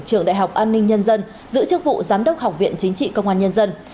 trường đại học an ninh nhân dân giữ chức vụ giám đốc học viện chính trị công an nhân dân